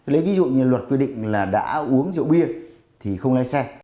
lấy ví dụ như luật quy định là đã uống rượu bia thì không lái xe